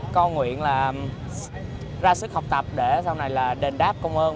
con nguyện là ra sức học tập để sau này là đền đáp công ơn